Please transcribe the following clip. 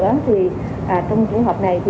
trong trường hợp này